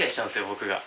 僕が。